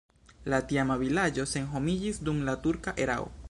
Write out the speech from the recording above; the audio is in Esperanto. La tiama vilaĝo senhomiĝis dum la turka erao.